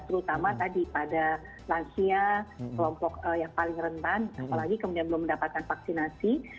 terutama tadi pada lansia kelompok yang paling rentan apalagi kemudian belum mendapatkan vaksinasi